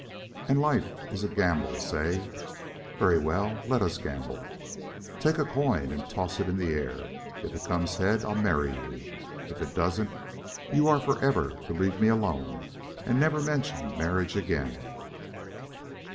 And life is a gamble say. Very well, let us gamble. Take a coin and toss it in the air. If it comes heads, I'll marry you. If it doesn't, you are forever to leave me alone and never mention marriage again."